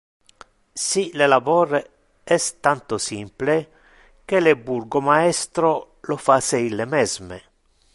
Si le labor es tanto simple, que le burgomaestro lo face ille mesme.